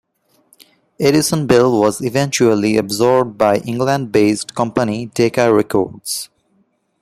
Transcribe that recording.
Edison-Bell was eventually absorbed by England-based company Decca Records.